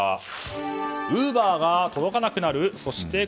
ウーバーが届かなくなる？